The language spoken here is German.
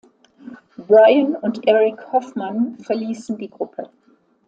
Brian und Eric Hoffman verließen die Gruppe.